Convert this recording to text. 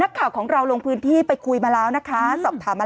ข่าวของเราลงพื้นที่ไปคุยมาแล้วนะคะสอบถามมา